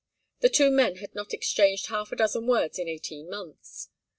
The two men had not exchanged half a dozen words in eighteen months.